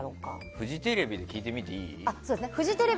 フジテレビで聞いてみていい？